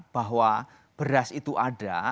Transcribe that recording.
bahwa beras itu ada